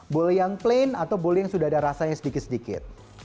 boleh yang plain atau boleh yang sudah ada rasanya sedikit sedikit